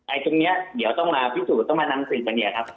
ไอ้ตรงเนี้ยเดี๋ยวต้องปฏิเสธกว่างเนี่ยครับ